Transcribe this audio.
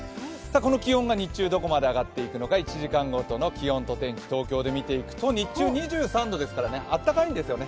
この気温が日中どこまで上がっていくのか１時間ごとの気温を東京で見ていくと日中２３度ですからあったかいんですよね。